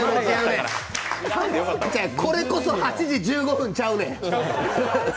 これこそ８時１５分ちゃうねん！